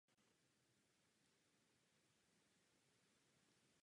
Ve většině svého díla se František Horečka věnoval Valašsku.